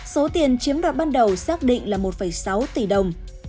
số tiền chiếm đoạt ban đầu xác định là một sáu tỷ đồng